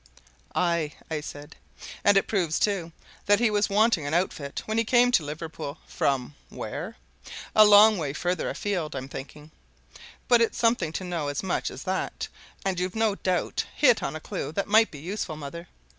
"Aye!" I said. "And it proves, too, that he was wanting an outfit when he came to Liverpool from where? A long way further afield, I'm thinking! But it's something to know as much as that, and you've no doubt hit on a clue that might be useful, mother.